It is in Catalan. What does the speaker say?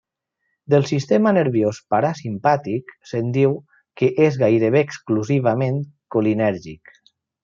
Del sistema nerviós parasimpàtic se'n diu que és gairebé exclusivament colinèrgic.